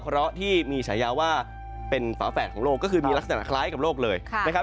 เพราะที่มีฉายาว่าเป็นฝาแฝดของโลกก็คือมีลักษณะคล้ายกับโลกเลยนะครับ